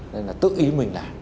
đấy nên là tự ý mình làm